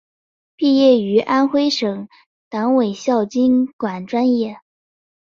毕业于安徽省委党校经管专业。